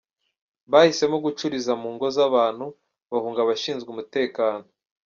Bahisemo gucuriza mu ngo z’abantu bahunga abashinzwe umutekano